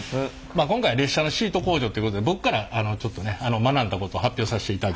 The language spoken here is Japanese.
まあ今回列車のシート工場ということで僕からちょっとね学んだこと発表させていただきたいと思います。